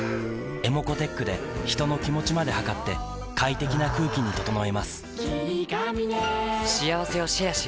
ｅｍｏｃｏーｔｅｃｈで人の気持ちまで測って快適な空気に整えます